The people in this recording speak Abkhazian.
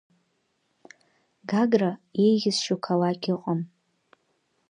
Гагра еиӷьасшьо қалақь ыҟам.